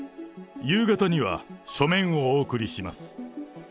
夕方には書面をお送りします。